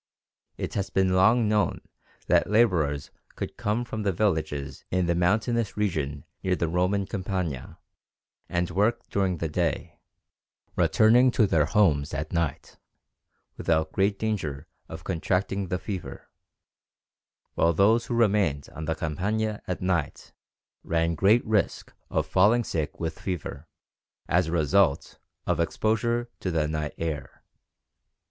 It has long been known that labourers could come from the villages in the mountainous region near the Roman Campagna and work during the day, returning to their homes at night, without great danger of contracting the fever, while those who remained on the Campagna at night ran great risk of falling sick with fever, as a result of "exposure to the night air."